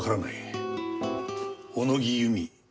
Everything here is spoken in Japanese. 小野木由美